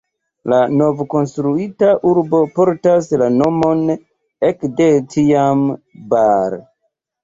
La novkonstruita urbo portas la nomon ekde tiam "Bar".